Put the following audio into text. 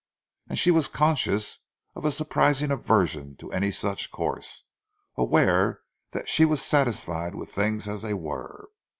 And she was conscious of a surprising aversion to any such course; aware that she was satisfied with things as they were.